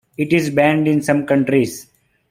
It is banned in some countries.